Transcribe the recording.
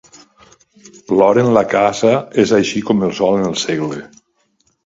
L'or en la casa és així com el sol en el segle.